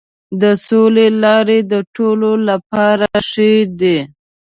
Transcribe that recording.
د سولې لارې د ټولو لپاره ښې دي.